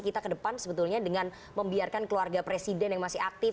kita ke depan sebetulnya dengan membiarkan keluarga presiden yang masih aktif